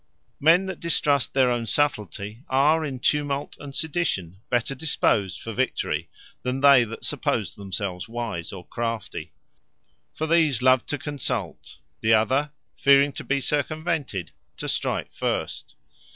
And From Distrust Of Their Own Wit Men that distrust their own subtilty, are in tumult, and sedition, better disposed for victory, than they that suppose themselves wise, or crafty. For these love to consult, the other (fearing to be circumvented,) to strike first.